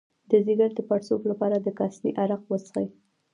د ځیګر د پړسوب لپاره د کاسني عرق وڅښئ